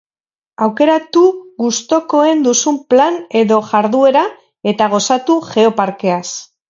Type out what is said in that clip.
Aukeratu gustukoen duzun plan edo jarduera eta gozatu Geoparkeaz.